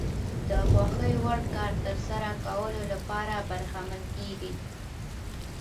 د خوښې وړ کار ترسره کولو لپاره برخمن کېږي.